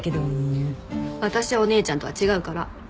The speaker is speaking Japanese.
私はお姉ちゃんとは違うから。